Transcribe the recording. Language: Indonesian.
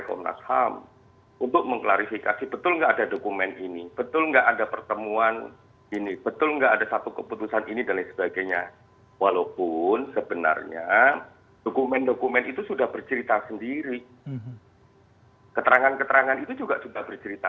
harus menghormati orang yang punya hak untuk membela diri punya hak untuk memberikan tangan dan sebagainya punya hak untuk membatah dan sebagainya